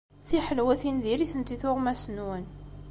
Tiḥelwatin diri-tent i tuɣmas-nwen.